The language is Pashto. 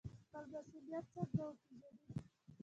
خپل مسوولیت څنګه وپیژنو؟